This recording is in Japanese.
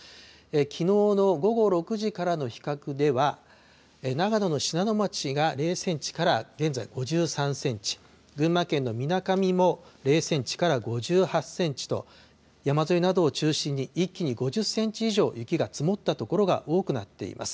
きのうの午後６時からの比較では、長野の信濃町が０センチから、現在５３センチ、群馬県のみなかみも０センチから５８センチと、山沿いなどを中心に、一気に５０センチ以上雪が積もった所が多くなっています。